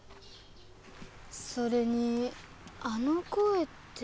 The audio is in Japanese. それにあの声って。